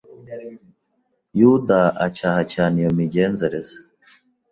Yuda acyaha cyane iyo migenzereze